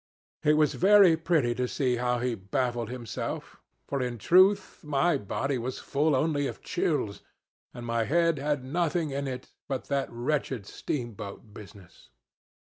It was very pretty to see how he baffled himself, for in truth my body was full of chills, and my head had nothing in it but that wretched steamboat business.